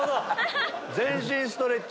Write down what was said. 全身ストレッチ。